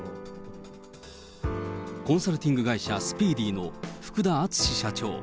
コンサルティング会社、スピーディの福田淳社長。